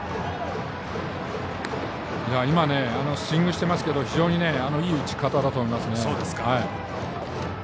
スイングしていますけど非常にいい打ち方だと思います。